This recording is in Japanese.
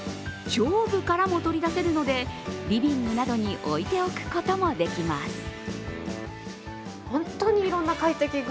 上部からも取り出せるのでリビングなどに置いておくこともできます。